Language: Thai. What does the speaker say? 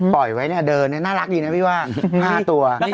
ปล่อยไว้เนี่ยเดินน่ารักดีนะพี่ว่า๕ตัว